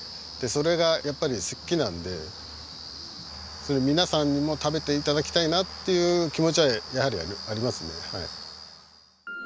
それがやっぱり好きなんでそれ皆さんにも食べて頂きたいなという気持ちはやはりありますね。